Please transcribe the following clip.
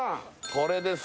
これです